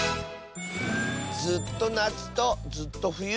ずっとなつとずっとふゆ。